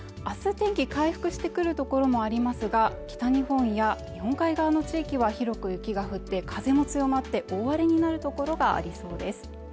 明日は天気回復してくるところもありますが北日本や日本海側の地域は広く雪が降って風も強まって大荒れになる所がありそうです